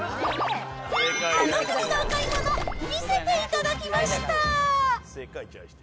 あの国のお買い物、見せていただきました！